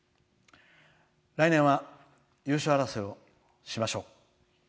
来年は優勝争いをしましょう。